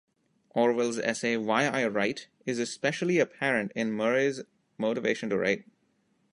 Orwell's essay Why I Write is especially apparent in Murray's motivation to write.